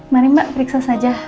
mari mbak periksa saja